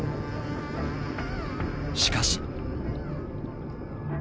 しかし。